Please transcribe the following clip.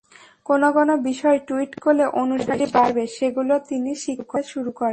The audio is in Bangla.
কোন কোন বিষয় টুইট করলে অনুসারী বাড়বে, সেগুলো তিনি শিখতে শুরু করেন।